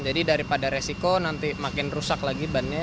jadi daripada resiko nanti makin rusak lagi bannya